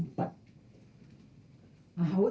banyak anak perawan malah ngumpet